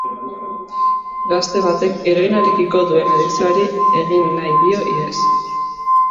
Gazte batek heroinarekiko duen adikzioari egin nahi dio ihes.